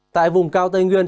tại vùng cao tây nguyên